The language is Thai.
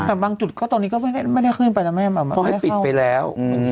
แต่บางจุดก็ตรงนี้ก็ไม่ได้ไม่ได้ขึ้นไป่ะไม่ให้เพราะให้ปิดไปแล้วอืม